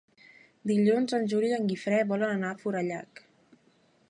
Dilluns en Juli i en Guifré volen anar a Forallac.